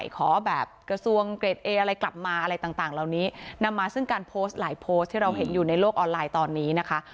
ขอแบบกระทรวงเกรดเออะไรกลับมาอะไรต่างเหล่านี้นำมาซึ่งการโพสต์หลายโพสต์ที่เราเห็นอยู่ในโลกออนไลน์ตอนนี้นะคะ